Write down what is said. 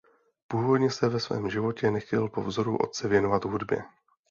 Původně se ve svém životě nechtěl po vzoru otce věnovat hudbě.